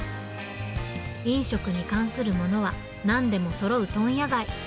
飲食に関するものはなんでもそろう問屋街。